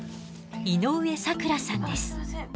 井上咲楽さんです。